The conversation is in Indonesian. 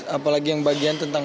apa lagi yang bagian